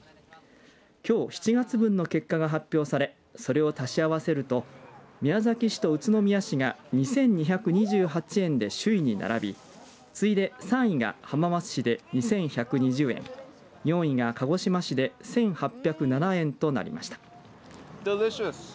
きょう７月分の結果が発表されそれを足し合わせると宮崎市と宇都宮市が２２２８円で首位に並び次いで３位が浜松市で２１２０円４位が鹿児島市で１８０７円となりました。